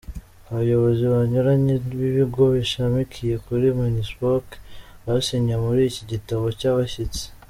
Abayobozi banyuranye b'ibigo bishamikiye kuri Minispoc basinye muri iki gitabo cy'abashyitsi.